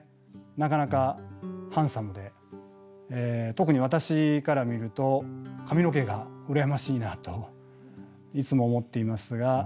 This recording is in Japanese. なかなかハンサムで特に私から見ると髪の毛が羨ましいなといつも思っていますが。